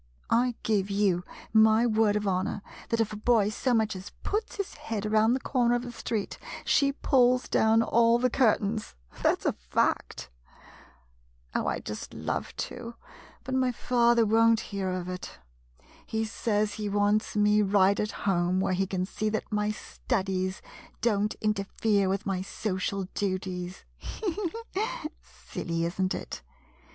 I give you my word of honor that if a boy so much as puts his head around the corner of the street, she pulls down all the curtains. That 's a fact. Oh, I 'd just love to — but my father won't 49 MODERN MONOLOGUES hear of it. He says he wants me right at home, where he can see that my studies don't interfere with my social duties. He — he — he !— silly, is n't it